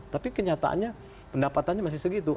tapi kenyataannya pendapatannya masih segitu